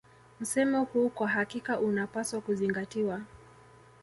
Msemo huu kwa hakika unapaswa kuzingatiwa